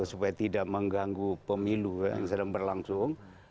supaya tidak mengganggu pemilu yang sedang berlangsung